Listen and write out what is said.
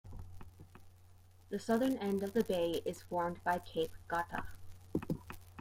The southern end of the bay is formed by Cape Gata.